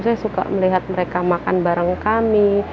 saya suka melihat mereka makan bareng kami